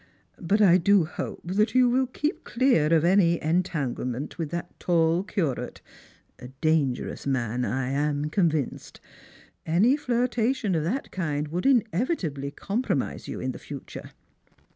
But I do hope that you will keep clear of any entanglement with that tall curate, a dangerous man I am convinced; any Hirtation of that kind would inevitably compromise you in the future.